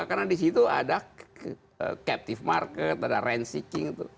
karena di situ ada captive market ada rent seeking